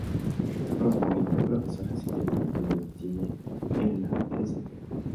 Ross Morin, un profesor asistente de estudios de cine en la St.